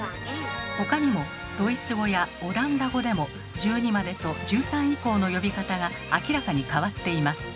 他にもドイツ語やオランダ語でも１２までと１３以降の呼び方が明らかに変わっています。